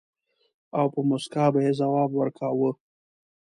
او په مُسکا به يې ځواب ورکاوه.